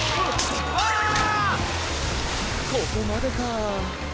ここまでか。